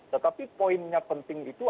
tetapi poinnya penting itu